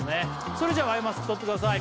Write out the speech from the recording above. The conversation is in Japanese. それじゃアイマスク取ってください